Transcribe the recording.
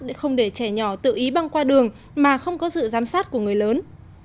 để không để trẻ nhỏ tự ý băng qua đường mà không có sự giám sát của người lớn